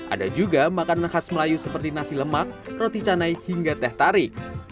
ada juga makanan khas melayu seperti nasi lemak roti canai hingga teh tari